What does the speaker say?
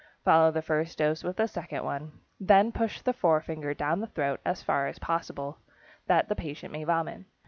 Follow the first dose with a second one. Then push the forefinger down the throat as far as possible, that the patient may vomit.